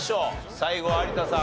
最後有田さん